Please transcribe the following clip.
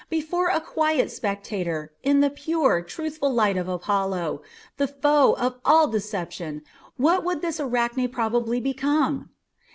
Before a quiet spectator, in the pure, truthful light of Apollo, the foe of all deception, what would this Arachne probably become?